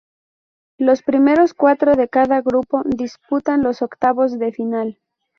Los primeros cuatro de cada grupo disputan los octavos de final.